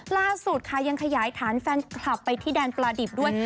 ล่าสุดค่ะยังขยายฐานแฟนคลับไปที่แดนปลาดิบด้วย